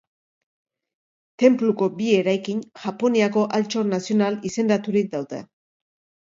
Tenpluko bi eraikin Japoniako altxor nazional izendaturik daude.